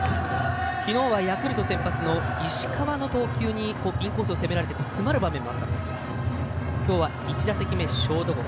きのうはヤクルト先発の石川の投球にインコースを攻められて詰まる場面もあったんですがきょうは１打席目ショートゴロ